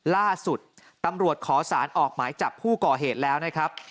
ล่าสุดตำรวจขอสารออกหมายจับผู้ก่อเหตุแล้วนะครับ